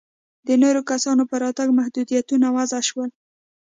د نورو کسانو پر راتګ محدودیتونه وضع شول.